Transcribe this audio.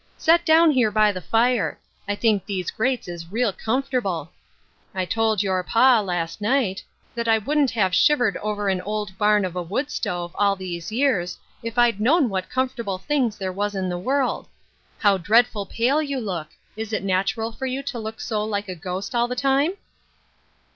Set down here by the fire. I think these grates is real comfortable, I told your pa, last night, that I wouldn't have shiv ered over an old barn of a wood stove, all these years, if I'd known what comfortable things there was in the world. How dreadful pale you look ! Is it natural for you to look so like a ghost all the time